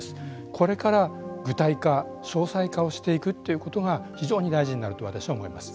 これから具体化詳細化をしていくということが非常に大事になると私は思います。